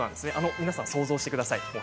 皆さん想像してください。